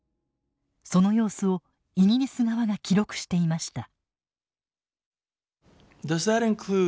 その様子をイギリス側が記録していました。